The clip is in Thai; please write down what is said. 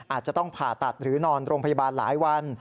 อาจจะต้องผ่าตัดหรือนอนโรงพยาบาลหลายวัน